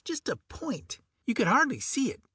Just a point; you could hardly see it.